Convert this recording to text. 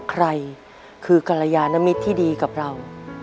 ใครคือกรยานมิตรที่ดีกับเรา